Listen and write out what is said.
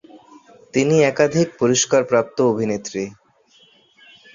তিনি একাধিক পুরস্কারপ্রাপ্ত অভিনেত্রী।